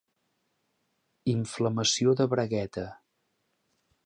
Inflamació de bragueta.